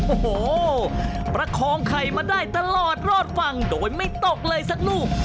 โอ้โหประคองไข่มาได้ตลอดรอดฝั่งโดยไม่ตกเลยสักลูก